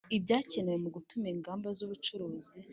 Ibyakenewe mu gutuma ingamba z ‘ubucuruzi.